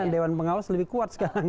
dewan pengawas lebih kuat sekarang